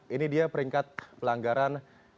ini dia peringkat pelanggaran